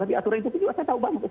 tapi aturan itu juga saya tahu banyak